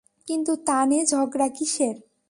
কিন্তু তা নিয়ে ঝগড়া কিসের?